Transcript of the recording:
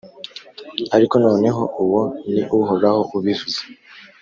Ariko noneho uwo ni Uhoraho ubivuze